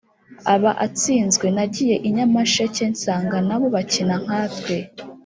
Aba atsinzwe nagiye i nyamasheke nsanga na bo bakina nkatwe